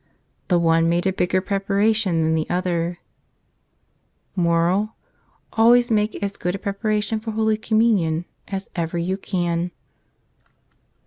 The one made a bigger preparation than the other . Moral: Always make as good a preparation for Holy Communion as ever you can.